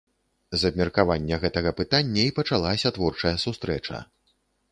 З абмеркавання гэтага пытання і пачалася творчая сустрэча.